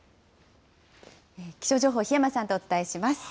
気象情報、檜山さんとお伝えします。